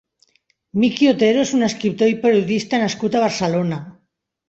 Miqui Otero és un escriptor i periodista nascut a Barcelona.